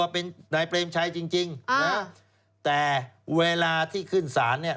เปรมชัยจริงแต่เวลาที่ขึ้นศาล